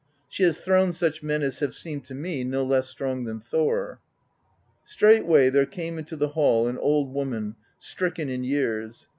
She has thrown such men as have seemed to me no less strong than Thor.' Straightway there came into the hall an old woman, stricken in years.